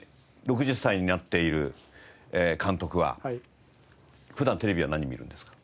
６０歳になっている監督は普段テレビは何見るんですか？